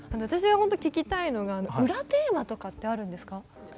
私がほんと聞きたいのが裏テーマとかってあるんですか？